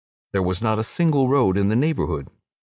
There was not a single road in the neighbourhood.